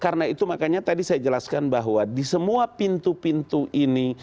karena itu makanya tadi saya jelaskan bahwa di semua pintu pintu ini